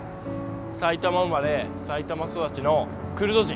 埼玉生まれ埼玉育ちのクルド人。